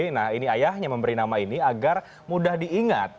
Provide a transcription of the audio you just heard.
nah ini ayahnya memberi nama ini agar mudah diingat